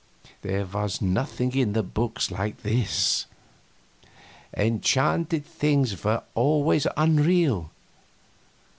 There was nothing in the books like this. Enchanted things were always unreal.